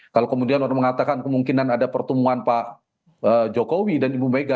kalau kemudian orang mengatakan kemungkinan ada pertemuan pak jokowi dan ibu mega